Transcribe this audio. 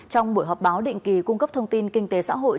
trong buổi họp báo định kỳ cung cấp thông tin kinh tế xã hội